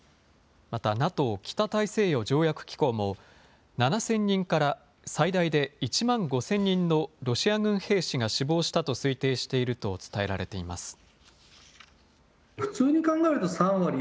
またＮＡＴＯ・北大西洋条約機構も７０００人から最大で１万５０００人のロシア軍兵士が死亡したと推定していると伝えられています。